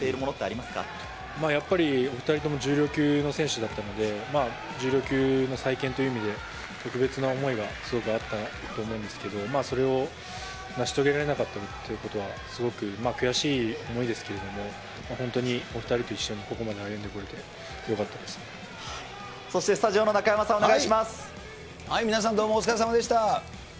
やっぱり２人とも重量級の選手だったので、重量級の再建という意味で、特別な思いがすごくあったと思うんですけど、それを成し遂げられなかったということは、すごく悔しい思いですけれども、本当にお２人と一緒にここまで歩そしてスタジオの中山さん、皆さん、どうもお疲れさまでした。